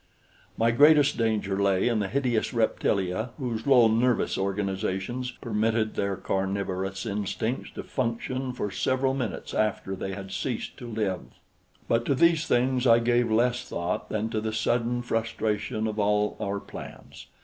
My greatest danger lay in the hideous reptilia whose low nervous organizations permitted their carnivorous instincts to function for several minutes after they had ceased to live. But to these things I gave less thought than to the sudden frustration of all our plans.